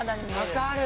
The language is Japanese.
分かる。